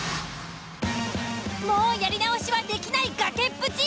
もうやり直しはできない崖っぷち！